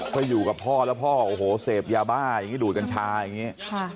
ก็อยู่กับพ่อแล้วพ่อโอ้โหเสพยาบ้าอย่างนี้ดูดกัญชาอย่างนี้